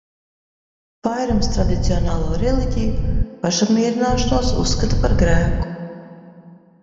Vairums tradicionālo reliģiju pašapmierināšanos uzskata par grēku.